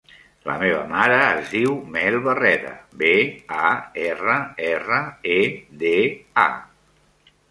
La meva mare es diu Mel Barreda: be, a, erra, erra, e, de, a.